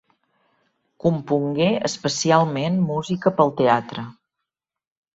Compongué especialment música pel teatre.